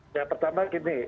yang pertama gini